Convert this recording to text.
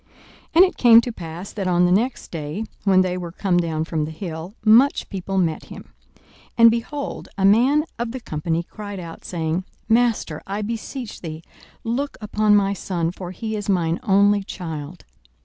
42:009:037 And it came to pass, that on the next day, when they were come down from the hill, much people met him. 42:009:038 And, behold, a man of the company cried out, saying, Master, I beseech thee, look upon my son: for he is mine only child.